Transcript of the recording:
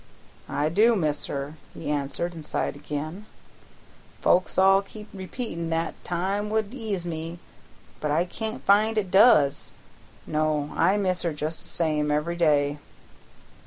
"I do miss her," he answered, and sighed again. "Folks all kep' repeatin' that time would ease me, but I can't find it does. No, I miss her just the same every day."